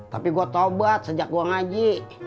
tapi gue taubat sejak gue ngaji